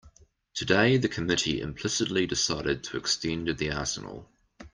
Today the committee implicitly decided to extend the arsenal.